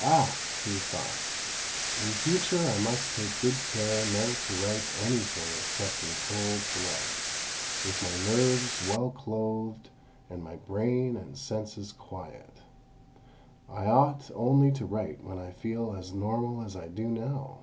"Ah!" he thought, "in future I must take good care never to write anything except in cold blood, with my nerves well clothed, and my brain and senses quiet. I ought only to write when I feel as normal as I do now."